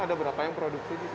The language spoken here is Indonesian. ada berapa yang produksi di situ